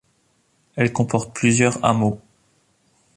Elle comporte plusieurs hameaux.